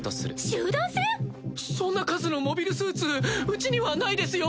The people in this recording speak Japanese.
集団戦⁉そんな数のモビルスーツうちにはないですよ。